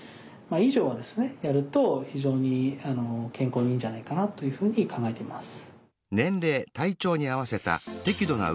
やると非常に健康にいいんじゃないかなというふうに考えています。